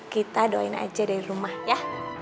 kita doain aja dari rumah ya